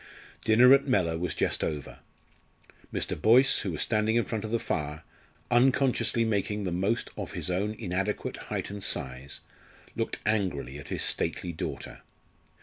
Dinner at Mellor was just over. Mr. Boyce, who was standing in front of the fire, unconsciously making the most of his own inadequate height and size, looked angrily at his stately daughter.